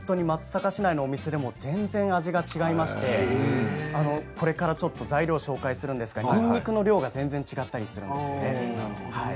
松阪市内の店でも全然味が違いましてこれから材料を紹介するんですけども肉の量は全然違ったりするんですよね。